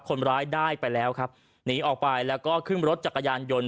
คนร้ายได้ไปแล้วครับหนีออกไปแล้วก็ขึ้นรถจักรยานยนต์